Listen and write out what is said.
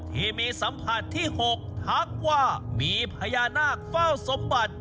ที่มีสัมผัสที่๖ทักว่ามีพญานาคเฝ้าสมบัติ